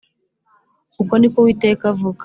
Uku ni ko Uwiteka avuga